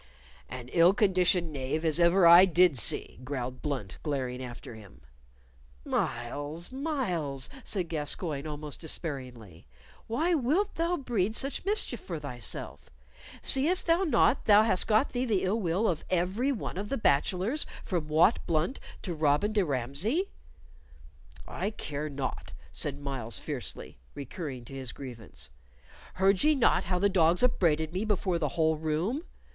"An ill conditioned knave as ever I did see," growled Blunt, glaring after him. "Myles, Myles," said Gascoyne, almost despairingly, "why wilt thou breed such mischief for thyself? Seest thou not thou hast got thee the ill will of every one of the bachelors, from Wat Blunt to Robin de Ramsey?" "I care not," said Myles, fiercely, recurring to his grievance. "Heard ye not how the dogs upbraided me before the whole room?